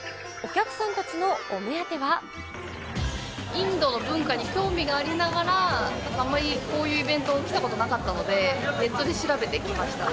インドの文化に興味がありながら、なんかあまりこういうイベント、来たことなかったので、ネットで調べてきました。